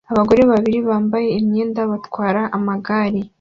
Abagore babiri bambaye imyenda batwara amagare